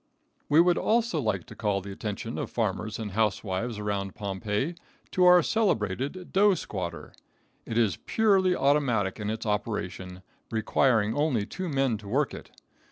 ] We would also like to call the attention of farmers and housewives around Pompeii to our celebrated Dough Squatter. It is purely automatic in its operation, requiring only two men to work it.